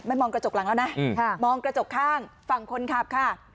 ไม่มองกระจกหลังแล้วนะอืมค่ะมองกระจกข้างฝั่งคนครับค่ะ